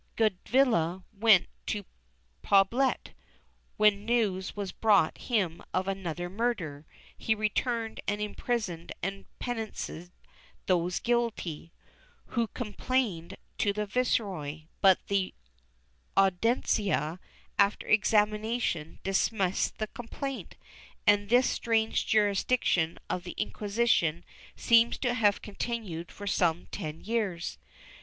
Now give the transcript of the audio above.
Govilla went to Poblet, when news was brought him of another murder; he returned and imprisoned and penanced those guilty, who complained to the viceroy, but the Audiencia, after examination dismissed the complaint, and this strange jurisdiction of the Inquisition seems to have continued for some ten years.